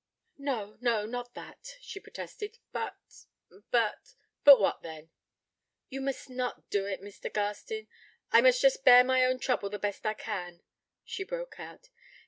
'No, no, not that,' she protested, 'but but ' 'But what then?' 'Ye must not do it, Mr. Garstin ... I must just bear my own trouble the best I can ' she broke out.